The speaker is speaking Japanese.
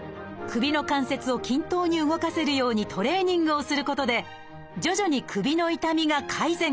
首の関節を均等に動かせるようにトレーニングをすることで徐々に首の痛みが改善。